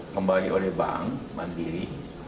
kembali oleh bank mandiri